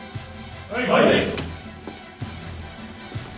はい。